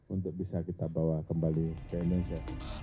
untuk bisa kita bawa kembali ke indonesia